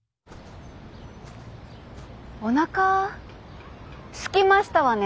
おなかすきましたわね。